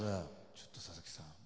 ちょっと佐々木さん